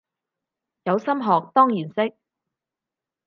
有心學當然識